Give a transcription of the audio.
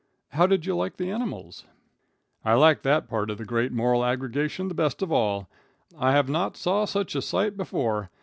"How did you like the animals?" "I liked that part of the Great Moral Aggregation the best of all. I have not saw such a sight before.